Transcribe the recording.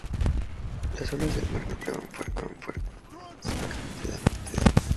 Las olas del mar golpeaban fuertes sobre el acantilado